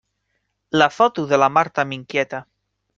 La foto de la Marta m'inquieta.